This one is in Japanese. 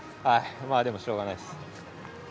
でもしょうがないです。